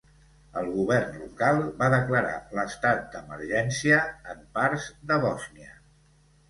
El govern local va declarar l'estat d'emergència en parts de Bòsnia.